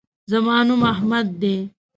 زما نوم احمد دے